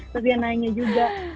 terus dia nanya juga